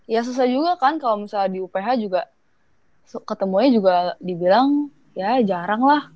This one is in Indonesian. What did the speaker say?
ya susah juga kan kalau misalnya di uph juga ketemunya juga dibilang ya jarang lah